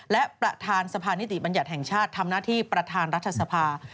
และประธานสภานิติบัญญัติแห่งชาติทำหน้าที่ประธานรัฐสภา